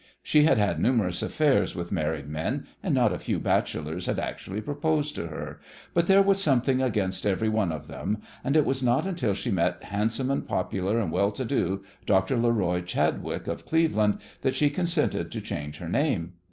She had had numerous affairs with married men, and not a few bachelors had actually proposed to her, but there was something against every one of them, and it was not until she met handsome and popular and well to do Dr. Leroy Chadwick, of Cleveland, that she consented to change her name.